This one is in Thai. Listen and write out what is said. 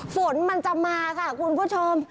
ฝนมันจะมาค่ะคุณผู้ชม